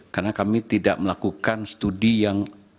karena kami tidak melakukan studi yang